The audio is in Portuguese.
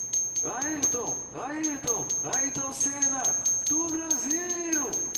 Ayrton, Ayrton... Ayrton Senna, do Brasil!!!